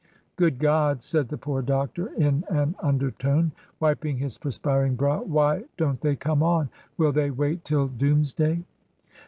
"Good God!" said the poor doctor in an undertone, wiping his perspiring brow; "why don't they come on? Will they wait till Dooms day?"